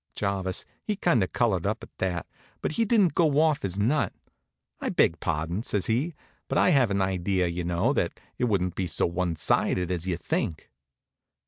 Jarvis, he kind of colored up at that, but he didn't go off his nut. "I beg pardon," says he; "but I have an idea, you know, that it wouldn't be so one sided as you think."